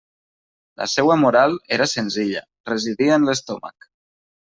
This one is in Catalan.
La seua moral era senzilla: residia en l'estómac.